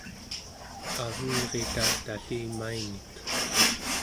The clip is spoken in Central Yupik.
avenrita tallimaingit